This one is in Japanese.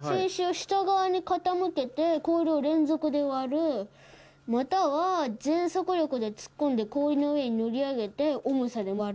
船首を下側に傾けて、氷を連続で割る、または全速力で突っ込んで氷の上に乗り上げて、重さで割る。